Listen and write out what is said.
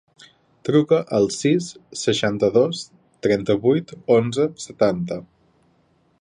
Truca al sis, seixanta-dos, trenta-vuit, onze, setanta.